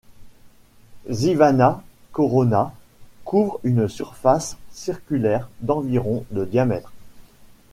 Zhivana Corona couvre une surface circulaire d'environ de diamètre.